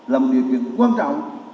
làm việc quan trọng